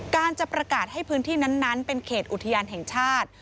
การจะประกาศให้พื้นที่นั้นเป็นเขตอุทยานแห่งชาติ